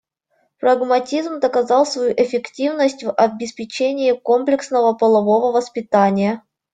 Прагматизм доказал свою эффективность в обеспечении комплексного полового воспитания.